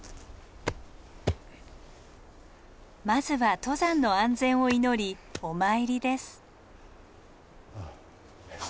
まずは登山の安全を祈りお参りです。